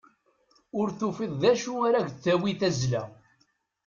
Ur tufiḍ d acu ara k-d-tawi tazzla.